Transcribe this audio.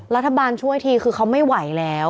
รัฐบาลช่วยทีคือเขาไม่ไหวแล้ว